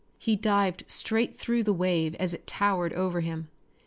He dived straight through the wave as it towered over him.